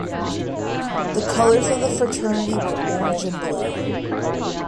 The colors of the Fraternity were orange and blue.